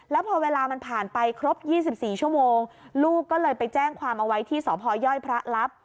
แล้วพอเวลามันผ่านไปครบ๒๔ชั่วโมงลูกก็เลยไปแจ้งความเอาไว้ที่สพยพระลับ